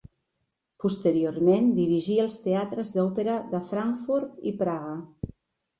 Posteriorment dirigí els teatres d'òpera de Frankfurt i Praga.